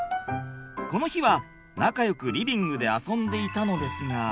この日は仲よくリビングで遊んでいたのですが。